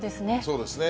そうですね。